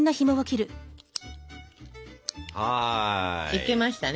いけましたね。